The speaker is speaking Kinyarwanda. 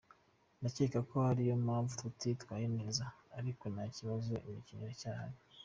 Ndakeka ko ari yo mpamvu tutitwaye neza ariko nta kibazo imikino iracyahari.